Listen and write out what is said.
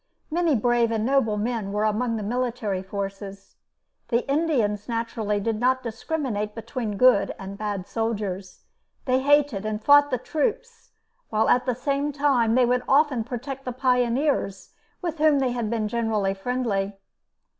Many brave and noble men were among the military forces. The Indians, naturally, did not discriminate between good and bad soldiers. They hated and fought the troops, while at the same time they would often protect the pioneers, with whom they had been generally friendly.